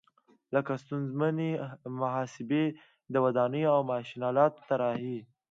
لکه ستونزمنې محاسبې، د ودانیو او ماشین آلاتو طراحي.